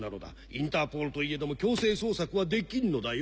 インターポールといえども強制捜索はできんのだよ。